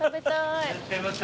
いらっしゃいませ。